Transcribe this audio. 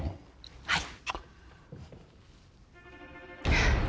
はい。